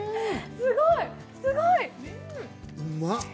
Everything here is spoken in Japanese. すごいすごい。